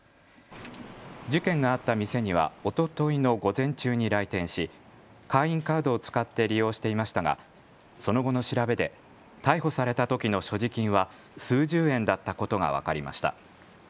事件があった店にはおとといの午前中に来店し会員カードを使って利用していましたがその後の調べで逮捕されたときの所持金は数十円だったことが分かりました。